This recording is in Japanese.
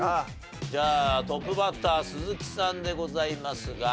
じゃあトップバッター鈴木さんでございますが。